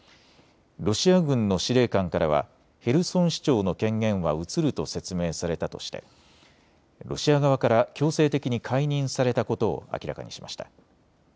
ロシア軍の司令官からはヘルソン市長の権限は移ると説明されたとしてロシア側から強制的に解任されたことを明らかにしました。